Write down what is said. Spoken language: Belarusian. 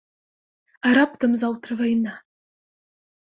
А раптам заўтра вайна?